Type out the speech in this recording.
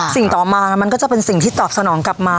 สิ่งต่อมามันก็จะเป็นสิ่งที่ตอบสนองกลับมา